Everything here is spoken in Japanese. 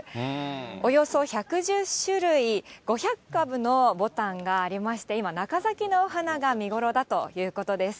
およそ１１０種類、５００株のぼたんがありまして、今、中咲きの花が見頃だということです。